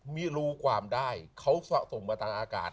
ไม่รู้ความได้เขาสะสมมาทางอากาศ